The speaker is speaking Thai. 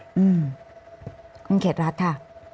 คุณเขตรัฐค่ะ